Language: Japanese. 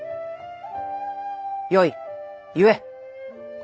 よい言え。